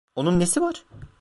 Onun nesi var?